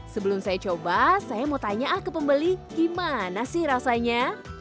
sebelum saya coba saya mau tanya ah ke pembeli gimana sih rasanya